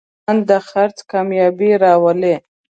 ښه پلان د خرڅ کامیابي راولي.